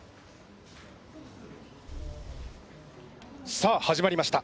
☎さあ始まりました。